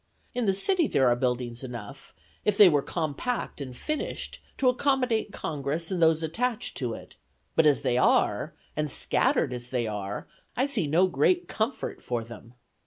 In the city there are buildings enough, if they were compact and finished, to accommodate Congress and those attached to it; but as they are, and scattered as they are, I see no great comfort for them.